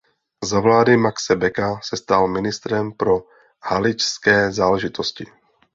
Za vlády Maxe Becka se stal ministrem pro haličské záležitosti.